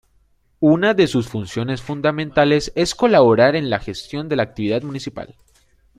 Una de sus funciones fundamentales es colaborar en la gestión de la actividad municipal.